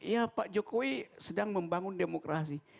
ya pak jokowi sedang membangun demokrasi